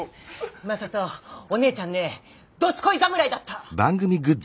正門お姉ちゃんねどすこい侍だった！